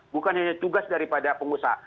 bukan hanya tugas daripada pengusaha